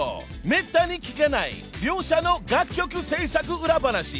めったに聞けない両者の楽曲制作裏話］